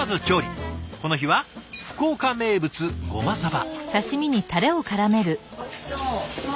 この日は福岡名物ごまさば。